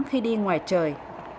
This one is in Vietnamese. khi đi ngoài trời